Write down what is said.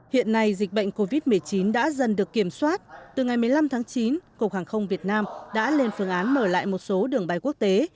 hiện nay dịch bệnh covid một mươi chín đã dần được kiểm soát từ ngày một mươi năm tháng chín cục hàng không việt nam đã lên phương án mở lại một số đường bay quốc tế